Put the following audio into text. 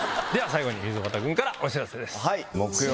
最後に溝端君からお知らせです。